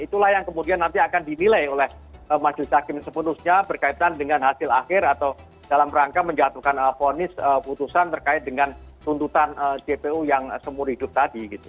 itulah yang kemudian nanti akan dinilai oleh majelis hakim sepenuhnya berkaitan dengan hasil akhir atau dalam rangka menjatuhkan vonis putusan terkait dengan tuntutan jpu yang semur hidup tadi gitu